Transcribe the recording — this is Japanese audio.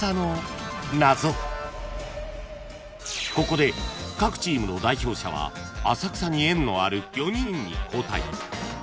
［ここで各チームの代表者は浅草に縁のある４人に交代］